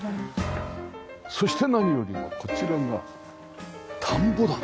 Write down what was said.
そして何よりこちらが田んぼだ。